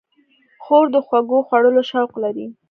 خور د خوږو خوړلو شوق لري.